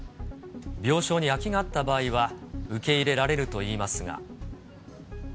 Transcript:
病床に空きがあった場合は、受け入れられるといいますが。